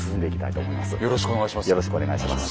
よろしくお願いします。